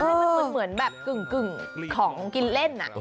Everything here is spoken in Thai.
ให้มันเหมือนแบบกึ่งของกินเล่น